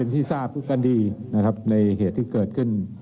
ภูมิกรับโทรศัพท์ทุกคนดีนะครับในเหตุที่เกิดขึ้น